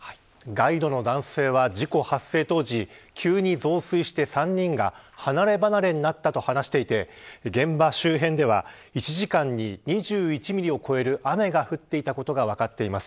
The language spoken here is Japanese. ガイドの男性は事故発生当時急に増水して、３人が離れ離れになったと話していて現場周辺では１時間に２１ミリを超える雨が降っていたことが分かっています。